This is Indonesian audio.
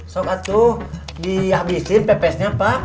sok atuh dihabisin pps nya pak